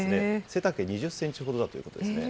背丈２０センチほどだということですね。